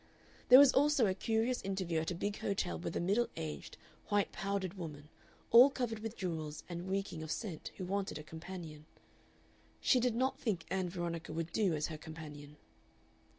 There was also a curious interview at a big hotel with a middle aged, white powdered woman, all covered with jewels and reeking of scent, who wanted a Companion. She did not think Ann Veronica would do as her companion.